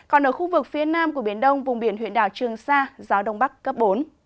còn ở khu vực phía nam của biển đông vùng biển huyện đảo trường sa gió đông bắc cấp bốn